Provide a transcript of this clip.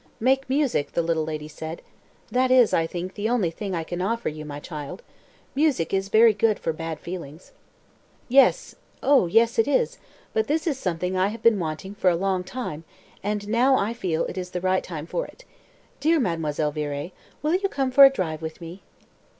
"Make music," the little lady said. "That is, I think, the only thing I can offer you, my child. Music is very good for 'bad feelings.'" "Yes, oh, yes, it is; but this is something I have been wanting for a long time, and now I feel it is the right time for it. Dear Mademoiselle Viré, will you come for a drive with me?"